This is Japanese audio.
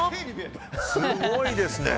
すごいですね。